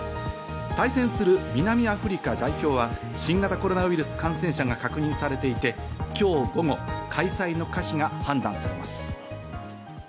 対戦する南アフリカ代表は新型コロナウイルス感染者が確認されていて、今日午後、開催の可否が判断されます。